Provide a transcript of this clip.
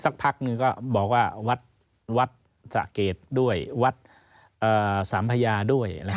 สักพักหนึ่งก็บอกว่าวัดสะเกดด้วยวัดสามพญาด้วย